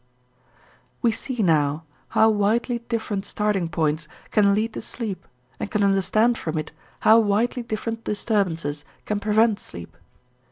We see now how widely different starting points can lead to sleep and can understand from it how widely different disturbances can prevent sleep.